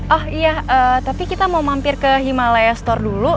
oh iya tapi kita mau mampir ke himalaya store dulu